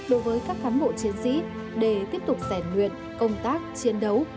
đối với các cán bộ chiến sĩ để tiếp tục rèn luyện công tác chiến đấu